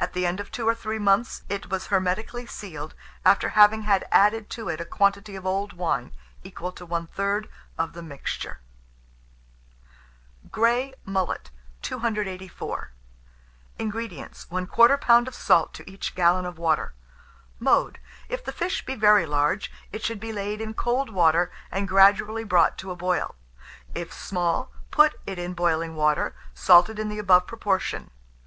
At the end of two or three months, it was hermetically sealed, after having had added to it a quantity of old wine, equal to one third of the mixture. GREY MULLET. 284. INGREDIENTS. 1/4 lb. of salt to each gallon of water. Mode. If the fish be very large, it should be laid in cold water, and gradually brought to a boil; if small, put it in boiling water, salted in the above proportion.